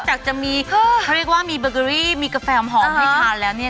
จากจะมีเขาเรียกว่ามีเบอร์เกอรี่มีกาแฟหอมให้ทานแล้วเนี่ย